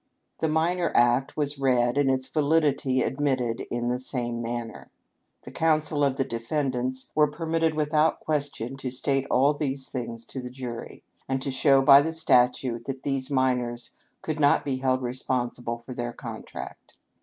The minor act was read and its validity admitted in the same manner. The counsel of the defendants were permitted without question to state all these things to the jury, and to show by the statute that these minors could not be held responsible for their con tract.